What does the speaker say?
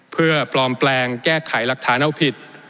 เพื่อปลอมแปลงแก้ไขลักษณะผิด